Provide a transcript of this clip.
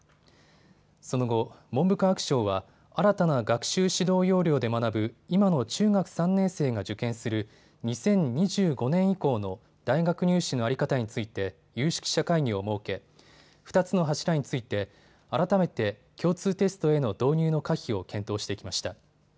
その後、文部科学省は新たな学習指導要領で学ぶ今の中学３年生が受験する２０２５年以降の大学入試の在り方について有識者会議を設け２つの柱について改めて共通テストへの導入の可否を検討してきました。